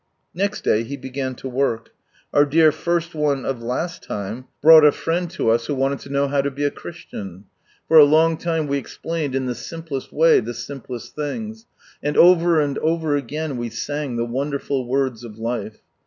Ne\t day He began to work. Our dear " 6rst one " of last time, brought a friend to us who wanted to know how to be a Christian. For a long time we explained in the simplest way the simplest things, and over and over again we sang Ihe wonderful words of life.